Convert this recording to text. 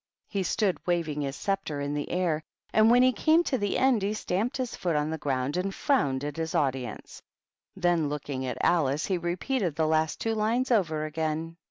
He stood waving his THE BISHOPS. 175 sceptre in the air, and when he came to the end he stamped his foot on the ground and frowned at his audience; then, looking at Alice, he re peated the last two lines over again.